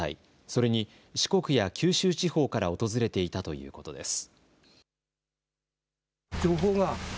それに四国や九州地方から訪れていたということです。